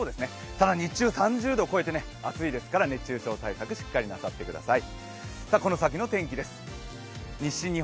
ただ日中３０度超えて熱いですから熱中症対策しっかりしてください。